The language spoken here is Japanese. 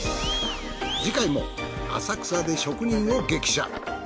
次回も浅草で職人を激写。